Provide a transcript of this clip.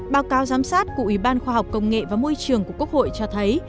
báo cáo giám sát của ủy ban khoa học công nghệ và môi trường của quốc hội cho thấy